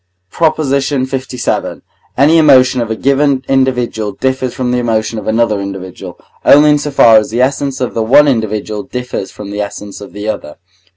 PROP. LVII. Any emotion of a given individual differs from the emotion of another individual, only in so far as the essence of the one individual differs from the essence of the other.